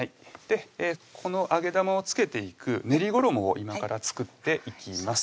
この揚げ玉を付けていく練り衣を今から作っていきます